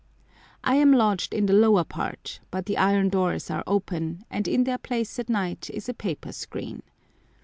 I am lodged in the lower part, but the iron doors are open, and in their place at night is a paper screen.